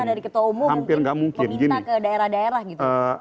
jadi dari perintah dari ketua umum peminta ke daerah daerah gitu